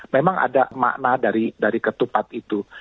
memang ada makna dari ketupat itu